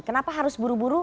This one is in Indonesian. kenapa harus buru buru